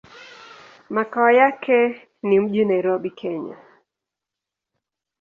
Makao yake ni mjini Nairobi, Kenya.